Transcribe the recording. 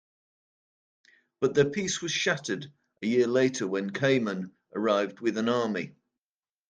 But their peace was shattered a year later when Khayman arrived with an army.